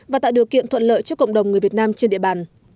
và tạo điều kiện thuận lợi cho cộng đồng người việt nam trên địa bàn